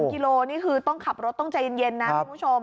กิโลนี่คือต้องขับรถต้องใจเย็นนะคุณผู้ชม